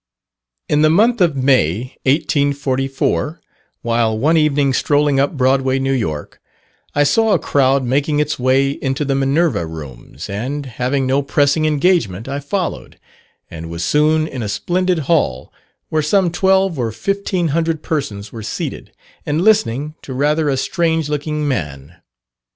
In the month of May, 1844, while one evening strolling up Broadway, New York, I saw a crowd making its way into the Minerva Rooms, and, having no pressing engagement, I followed, and was soon in a splendid hall, where some twelve or fifteen hundred persons were seated, and listening to rather a strange looking man.